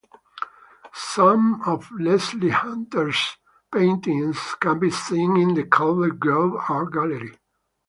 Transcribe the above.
Some of Leslie Hunter's paintings can be seen in the Kelvingrove Art Gallery.